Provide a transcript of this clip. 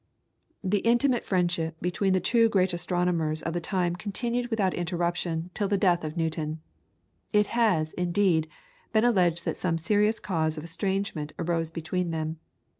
The intimate friendship between the two greatest astronomers of the time continued without interruption till the death of Newton. It has, indeed, been alleged that some serious cause of estrangement arose between them.